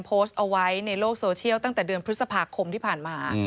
โพสต์เอาไว้ในโลกโซเชียลตั้งแต่เดือนพฤษภาคมที่ผ่านมา